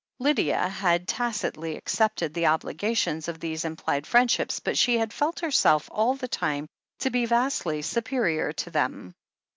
Lydia had tacitly accepted the obligations of these implied friendships, but she had felt herself all the time to be vastly superior to them.